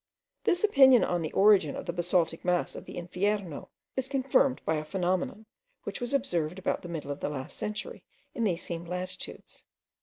This opinion on the origin of the basaltic mass of the Infierno is confirmed by a phenomenon, which was observed about the middle of the last century in these same latitudes.